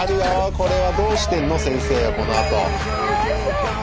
これはどうしてんの先生はこのあと。